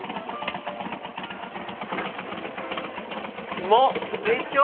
うまっ！でしょ？